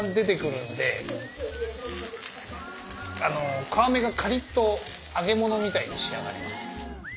あの皮目がカリっと揚げ物みたいに仕上がります。